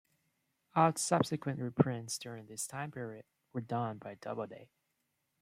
All subsequent reprints during this time period were done by Doubleday.